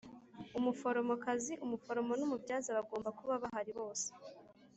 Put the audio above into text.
Umuforomokazi, umuforomo n umubyaza bagomba kuba bahari bose